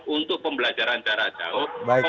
untuk pembelajaran jarak jauh